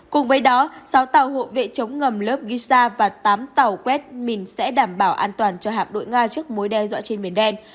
cùng với đó sáu tàu hộ vệ chống ngầm lớp gisa và tám tàu quét mình sẽ đảm bảo an toàn cho hạm đội nga trước mối đe dọa trên biển đen